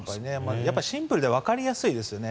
やっぱりシンプルでわかりやすいですよね。